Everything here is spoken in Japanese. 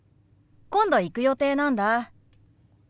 今度行く予定なんだ。